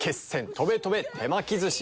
『とべとべ手巻き寿司』。